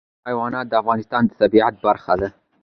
وحشي حیوانات د افغانستان د طبیعت برخه ده.